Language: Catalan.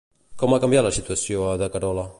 Com ha canviat la situació de Carola?